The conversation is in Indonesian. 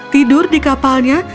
tidur di kapalnya